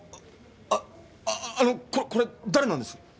あのこれ誰なんです？